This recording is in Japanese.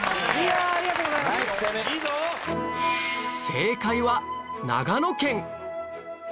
正解は長野県